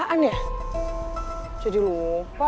saya sudah berjalan ke jakarta